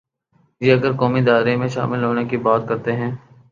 یہ اگر قومی دھارے میں شامل ہونے کی بات کرتے ہیں۔